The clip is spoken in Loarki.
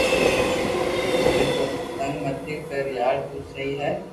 مني تو تبگ متي ڪريار تو سھي ھي